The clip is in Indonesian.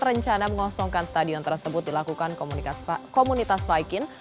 rencana mengosongkan stadion tersebut dilakukan komunitas viking